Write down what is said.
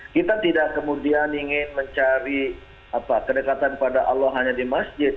kita tidak kemudian ingin mencari kedekatan pada allah hanya di masjid